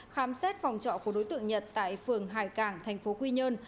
khám xét phòng trọ của đối tượng nhật tại phường hải cảng tp quy nhơn